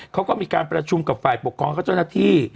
เขาก็มีการประชุมกับฝ่ายปกครองกับเจ้าหน้าที่